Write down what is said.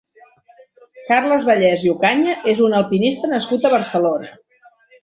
Carles Vallès i Ocaña és un alpinista nascut a Barcelona.